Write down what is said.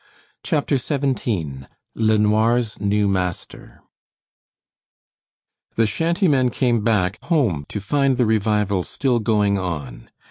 CHAPTER XVII LENOIR'S NEW MASTER The shantymen came back home to find the revival still going on.